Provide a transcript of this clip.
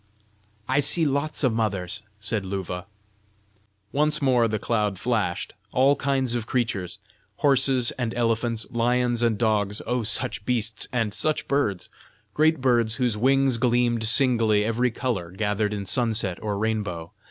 "I see lots o' mothers!" said Luva. Once more the cloud flashed all kinds of creatures horses and elephants, lions and dogs oh, such beasts! And such birds! great birds whose wings gleamed singly every colour gathered in sunset or rainbow!